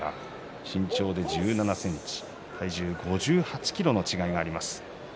身長で１７ｃｍ体重で５８ｋｇの違いがあります。